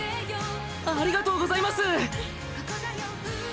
ありがとうございます！